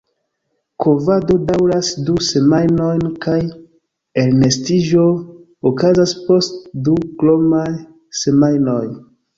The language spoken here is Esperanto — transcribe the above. Kovado daŭras du semajnojn kaj elnestiĝo okazas post du kromaj semajnoj.